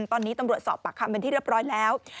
ตอนนี้ตำรวจสอบปากคำเป็นที่เรียบร้อยแล้ว